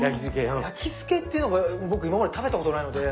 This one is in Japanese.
焼き漬けっていうのが僕今まで食べたことないので。